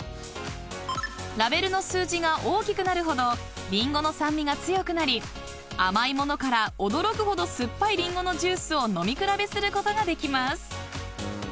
［ラベルの数字が大きくなるほどりんごの酸味が強くなり甘い物から驚くほど酸っぱいりんごのジュースを飲み比べすることができます］